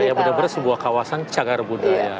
ya benar benar sebuah kawasan cagar budaya